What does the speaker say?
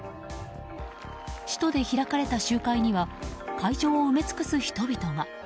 首都で開かれた集会には会場を埋め尽くす人々が。